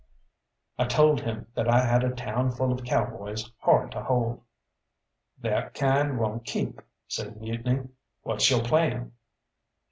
I told him that I had a town full of cowboys hard to hold. "That kind won't keep," says Mutiny; "what's yo' plan?"